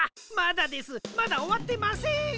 まだですまだおわってません！